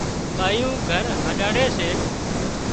ٻايُون گھر هينڏاڙي سي